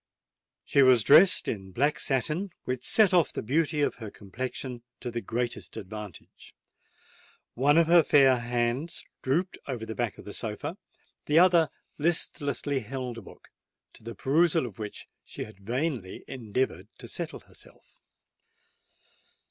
She was dressed in black satin, which set off the beauty of her complexion to the greatest advantage. One of her fair hands drooped over the back of the sofa: the other listlessly held a book, to the perusal of which she had vainly endeavoured to settle herself.